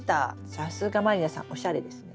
さすが満里奈さんおしゃれですね。